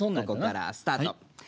ここからスタート。